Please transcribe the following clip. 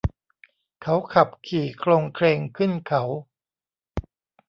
เขาขับขี่โคลงเคลงขึ้นเขา